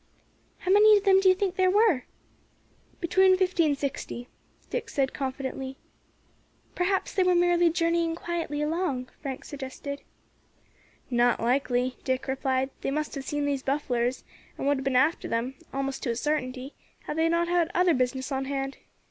"How many of them do you think there were?" "Between fifty and sixty," Dick said confidently. "Perhaps they were merely journeying quietly along," Frank suggested. "Not likely," Dick replied; "they must have seen these bufflars, and would have been after them, almost to a sartinty, had they not had other business on hand.